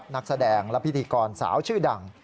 นักแสดงและพิธีกรสาวชื่อดัง